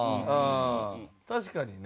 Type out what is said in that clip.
確かにね。